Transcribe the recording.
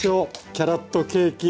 キャロットケーキ